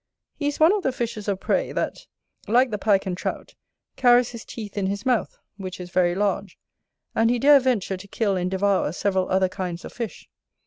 He is one of the fishes of prey that, like the Pike and Trout, carries his teeth in his mouth, which is very large: and he dare venture to kill and devour several other kinds of fish.